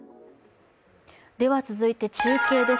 続いて中継です。